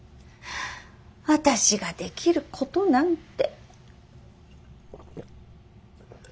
私ができることなんて。